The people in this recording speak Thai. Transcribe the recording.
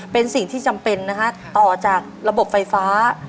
เป็นสิ่งที่จำเป็นนะฮะต่อจากระบบไฟฟ้า